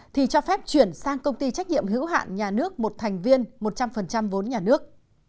thì cho phép chuyển sang công ty trách nhiệm hữu hạn nhà nước một thành viên một trăm linh vốn nhà nước